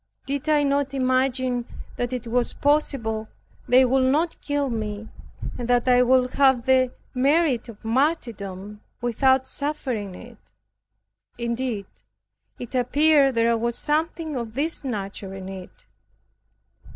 Did I not imagine that it was possible they would not kill me, and that I would have the merit of martyrdom without suffering it? Indeed, it appeared there was something of this nature in it.